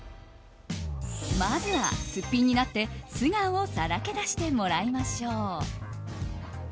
まずは、すっぴんになって素顔をさらけ出してもらいましょう。